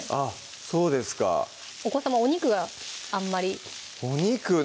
そうですかお子さまお肉があんまりお肉ね